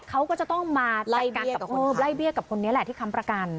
เขาก็จะต้องมาไล่เบี้ยกับคนเนี่ยแหละที่ค้ำประกัน